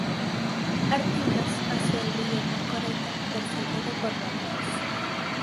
Artigas pasó el río Mocoretá perseguido por Ramírez.